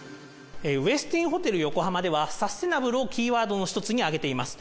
ウェスティンホテル横浜では、サステナブルをキーワードの一つに上げています。